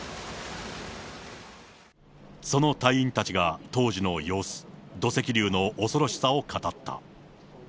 その隊員たちが、当時の様子、土石流の恐ろしさを語った。